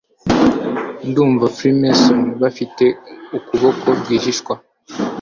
Ndumva Freemason bafite ukuboko rwihishwa